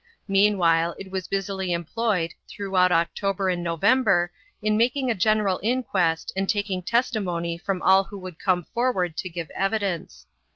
Meanwhile it was busily employed, throughout October and November, in making a general inquest and taking testimony from all who would come forward to give evidence.